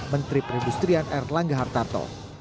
menteri perindustrian erlangga hartarto